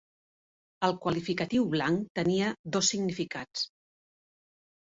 El qualificatiu blanc tenia dos significats.